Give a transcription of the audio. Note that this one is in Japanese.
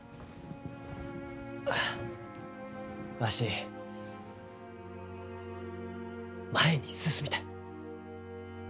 あわし前に進みたい。